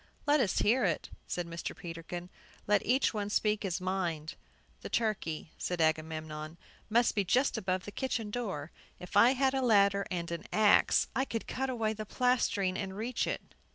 "Let us hear it," said Mr. Peterkin. "Let each one speak his mind." "The turkey," said Agamemnon, "must be just above the kitchen door. If I had a ladder and an axe, I could cut away the plastering and reach it."